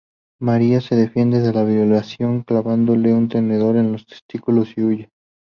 María se defiende de la violación clavándole un tenedor en los testículos y huye.